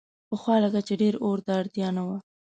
پخوا لکه چې ډېر اور ته اړتیا نه وه.